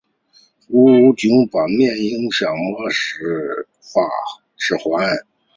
鸟井坂面影堂魔法使魔法指环